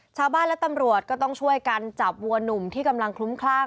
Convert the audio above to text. ชาวบ้านและตำรวจก็ต้องช่วยกันจับวัวหนุ่มที่กำลังคลุ้มคลั่ง